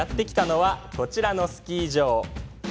ということで、やって来たのはこちらのスキー場。